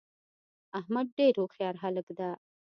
احمدډیرهوښیارهلک ده